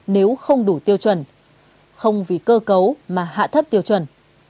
nếu không đủ tiêu chuẩn không vì cơ cấu mà hạ thấp tiêu chuẩn